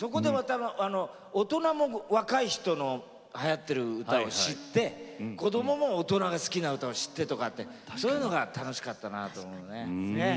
大人も若い人のはやっている歌を知って子どもも大人が好きな歌を知ってそういうのが楽しかったなって。